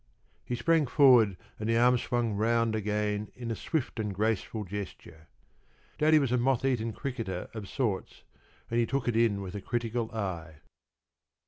He sprang forward and the arm swung round again in a swift and graceful gesture. Daddy was a moth eaten cricketer of sorts, and he took it in with a critical eye.